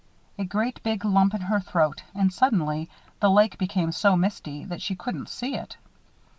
A great big lump in her throat and suddenly the lake became so misty that she couldn't see it.